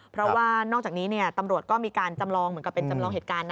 เพราะว่านอกจากนี้ตำรวจก็มีการจำลองเหมือนกับเป็นจำลองเหตุการณ์นะ